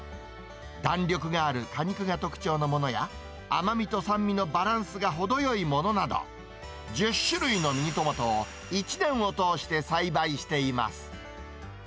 弾力がある果肉が特徴のものや、甘みと酸味のバランスが程よいものなど、１０種類のミニトマトを１年を通して栽培しています。